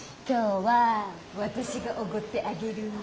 今日は私がおごってあげる。